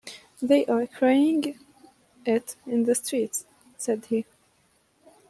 "They are crying it in the streets," said he.